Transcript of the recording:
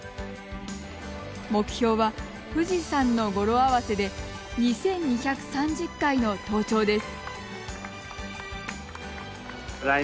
目標は富士山の語呂合わせで２２３０回の登頂です。